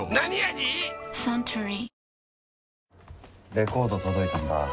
レコード届いたんだ